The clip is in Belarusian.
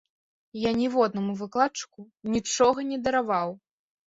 Я ніводнаму выкладчыку нічога не дараваў!